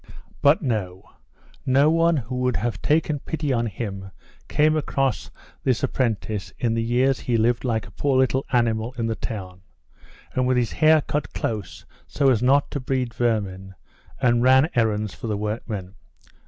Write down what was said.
"But no; no one who would have taken pity on him came across this apprentice in the years he lived like a poor little animal in the town, and with his hair cut close so as not to breed vermin, and ran errands for the workmen.